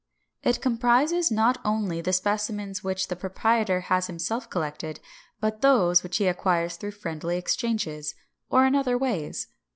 It comprises not only the specimens which the proprietor has himself collected, but those which he acquires through friendly exchanges, or in other ways.